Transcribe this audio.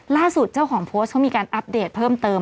ล่าสุดเจ้าของโพสต์เขามีการอัปเดตเพิ่มเติม